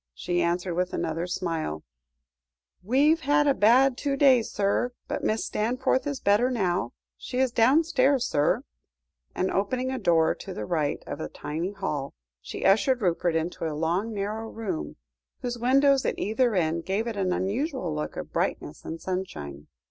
she answered with another smile "We've had a bad two days, sir, but Mrs. Stanforth is better now. She is downstairs, sir," and, opening a door on the right of the tiny hall, she ushered Rupert into a long narrow room, whose windows at either end gave it an unusual look of brightness and sunshine.